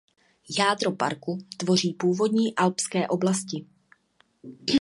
Jádro parku tvoří původní alpské oblasti.